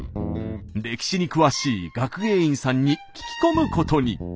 歴史に詳しい学芸員さんに聞き込むことに。